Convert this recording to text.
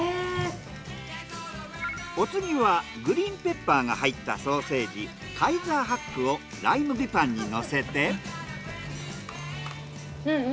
お次はグリーンペッパーが入ったソーセージカイザーハックをライ麦パンにのせて。